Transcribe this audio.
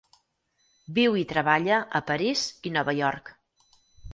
Viu i treballa a París i Nova York.